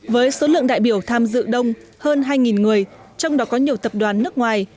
với số lượng đại biểu tham dự đông hơn hai người trong đó có nhiều tập đoàn nước ngoài